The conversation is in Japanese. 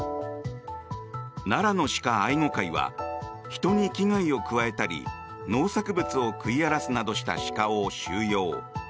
奈良の鹿愛護会は人に危害を加えたり農作物を食い荒らすなどした鹿を収容。